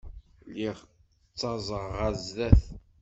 Lliɣ ttaẓeɣ ɣer sdat.